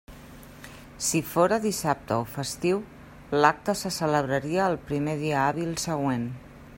Si fóra dissabte o festiu, l'acte se celebraria el primer dia hàbil següent.